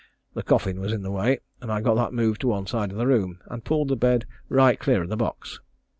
The coffin was in the way, and I got that moved to one side of the room, and pulled the bed right clear of the box.